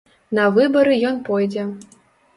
На выбары ён пойдзе.